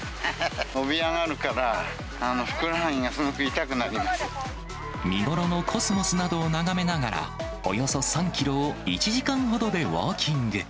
飛び上がるから、ふくらはぎがす見頃のコスモスなどを眺めながら、およそ３キロを１時間ほどでウォーキング。